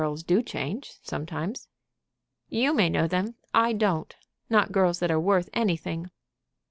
"Girls do change sometimes." "You may know them; I don't, not girls that are worth anything."